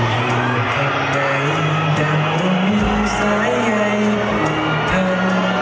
อยู่แค่ใดแต่มันมีสายให้ผู้ทัน